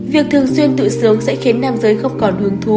việc thường xuyên tự xuống sẽ khiến năm giới không còn hương thú